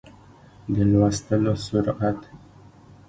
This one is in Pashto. د لوستلو سرعت